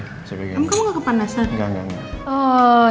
kamu gak kepanasan